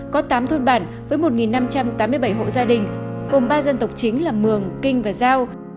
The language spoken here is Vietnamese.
có tám thôn bản với một năm trăm tám mươi bảy hộ gia đình gồm ba dân tộc chính là mường kinh và giao